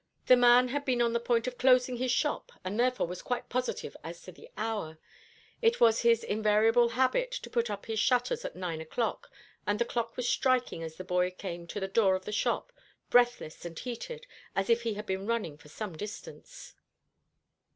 The man had been on the point of closing his shop, and therefore was quite positive as to the hour. It was his invariable habit to put up his shutters at nine o'clock, and the clock was striking as the boy came to the door of the shop, breathless and heated, as if he had been running for some distance."